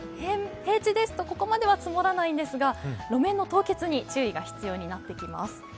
平地ですとここまで積もらないんですが、路面の凍結に注意が必要になってきます。